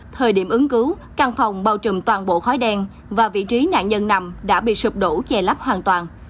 thời điểm ứng cứu căn phòng bao trùm toàn bộ khói đen và vị trí nạn nhân nằm đã bị sụp đổ chè lấp hoàn toàn